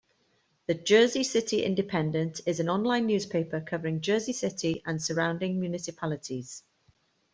The "Jersey City Independent" is an online newspaper covering Jersey City and surrounding municipalities.